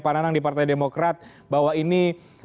pak nanang di partai demokrat bahwa ini